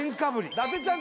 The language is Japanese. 伊達ちゃん